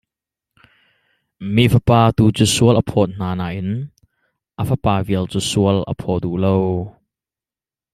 Mi fapa tu cu sual a phawt hna nain a fapa vial cu sual a phaw duh lo.